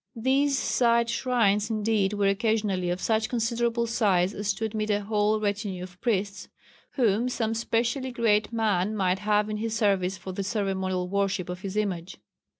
These side shrines indeed were occasionally of such considerable size as to admit a whole retinue of priests whom some specially great man might have in his service for the ceremonial worship of his image.